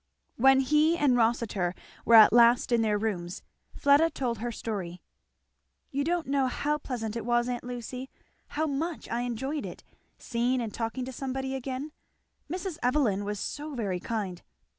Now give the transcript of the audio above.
When he and Rossitur were at last in their rooms Fleda told her story. "You don't know how pleasant it was, aunt Lucy how much I enjoyed it seeing and talking to somebody again. Mrs. Evelyn was so very kind."